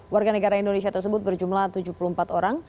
warga negara indonesia tersebut berjumlah tujuh puluh empat orang